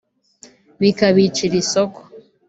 bikabicira isoko